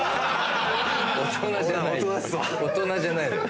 大人じゃないよ。